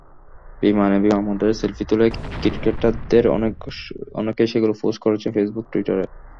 বিমানে, বিমানবন্দরে সেলফি তুলে ক্রিকেটারদের অনেকেই সেগুলো পোস্ট করেছেন ফেসবুক, টুইটারে।